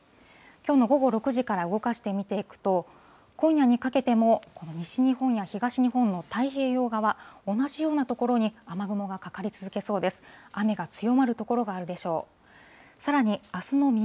きょうの午後６時から動かして見ていくと、今夜にかけても、この西日本や東日本の太平洋側、同じような所に雨雲がかかり続けそうです。